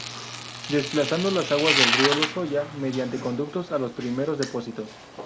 Desplazando las aguas del río Lozoya mediante conductos a los primeros depósitos.